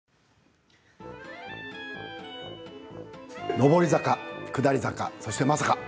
上り坂、下り坂そして、まさか。